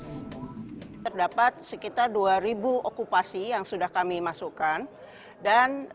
terdapat sekitar dua okupasi yang sudah dimasukkan